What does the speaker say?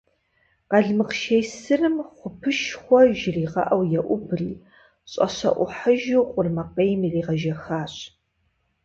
Къэлмыкъ шей сырым «хъупышхуэ» жригъэӀэу еӀубри, щӀэщэӀухьыжу къурмэкъейм иригъэжэхащ.